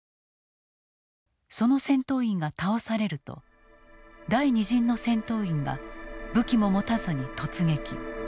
その戦闘員が倒されると第２陣の戦闘員が武器も持たずに突撃。